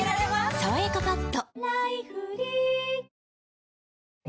「さわやかパッド」